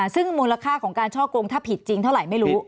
ซึ่งมูลค่าของการช่อกงถ้าผิดจริงเท่าไหร่ไม่รู้